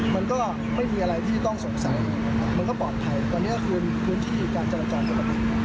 มันก็ไม่มีอะไรที่ต้องสงสัยมันก็ปลอดภัยตอนนี้ก็คืนคืนที่การจัดละจอดกระปุ๊บ